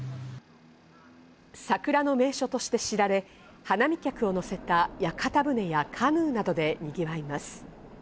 桜の名所として知られ、花見客を乗せた屋形船や、カヌーなどでにぎわいます。